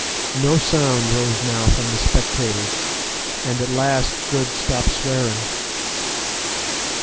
No sound rose now from the spectators, and at last Good stopped swearing.